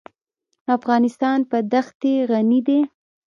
افغانستان په دښتې غني دی.